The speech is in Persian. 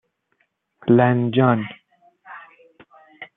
لنجان